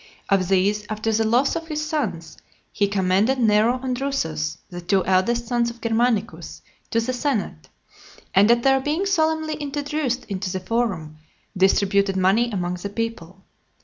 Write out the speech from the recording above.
Of these, after the loss of his sons, he commended Nero and Drusus, the two eldest sons of Germanicus, to the senate; and at their being solemnly introduced into the forum, distributed money among the people.